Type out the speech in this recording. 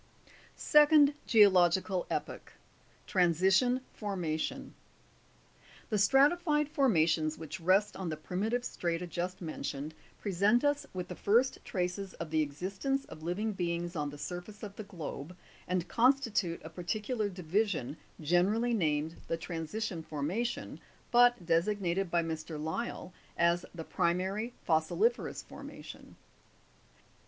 SECOND GEOLOGICAL EPOCH. Transition Formation. 24. The stratified formations which rest on the primitive strata just mentioned, present us with the first traces of the existence of living beings on the surface of the globe, and constitute a particular division, generally named the Transition Formation, but desig nated by Mr. Lyell as the Primary Fossiliferous Formation.